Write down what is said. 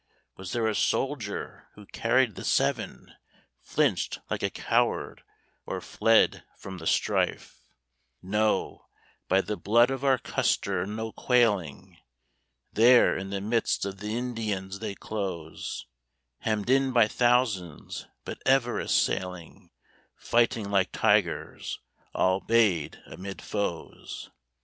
Was there a soldier who carried the Seven Flinched like a coward or fled from the strife? No, by the blood of our Custer, no quailing! There in the midst of the Indians they close, Hemmed in by thousands, but ever assailing, Fighting like tigers, all 'bayed amid foes!